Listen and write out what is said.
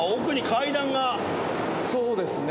そうですね。